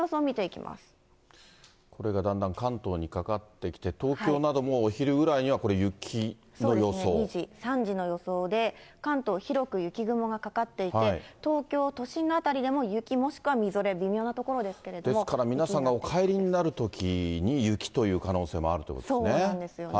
これがだんだん関東にかかってきて、東京などもお昼ぐらいにはこれ、２時、３時の予想で、関東、広く雪雲がかかっていて、東京都心の辺りでも雪もしくはみぞれ、ですから、皆さんがお帰りになるときに雪という可能性もあるということですね。